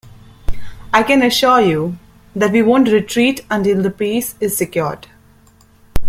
I can reassure you, that we won't retreat until the peace is secured.